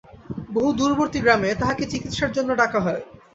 বহু দূরবর্তী গ্রামে তাহাকে চিকিৎসার জন্য ডাকা হয়।